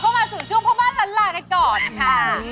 กลับเข้ามาสู่ช่วงพ่อบ้านล้านหล่ากันก่อนค่ะ